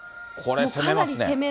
これ、攻めますよね。